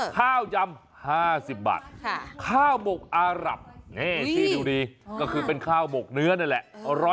ยำ๕๐บาทข้าวหมกอารับนี่ชื่อดูดีก็คือเป็นข้าวหมกเนื้อนั่นแหละ